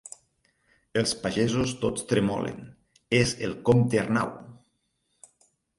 Els pagesos tots tremolen... «És el comte Arnau!»